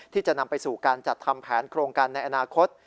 ที่จะนำไปสู่การจัดทำแผนโครงการในอนาคต